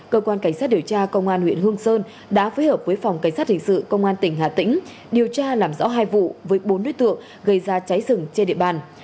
cơ quan cảnh sát hình sự công an tỉnh hà tĩnh điều tra làm rõ hai vụ với bốn đối tượng gây ra cháy rừng trên địa bàn